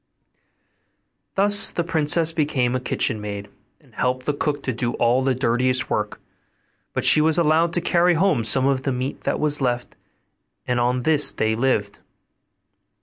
Thus the princess became a kitchen maid, and helped the cook to do all the dirtiest work; but she was allowed to carry home some of the meat that was left, and on this they lived.